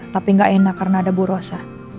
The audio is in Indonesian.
tapi gak enak karena ada ibu rossa